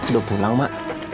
udah pulang ma